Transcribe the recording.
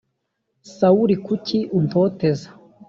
sawuli kuki untoteza